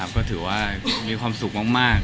ก็ถือว่ามีความสุขมาก